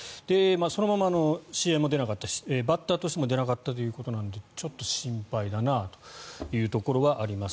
そのまま試合も出なかったしバッターとしても出なかったということなのでちょっと心配だなというところはあります。